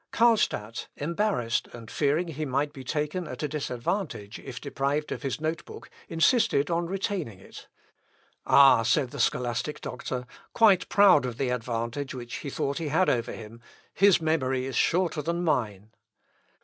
Carlstadt embarrassed, and fearing he might be taken at a disadvantage if deprived of his note book, insisted on retaining it. "Ah!" said the scholastic doctor, quite proud of the advantage which he thought he had over him, "his memory is shorter than mine."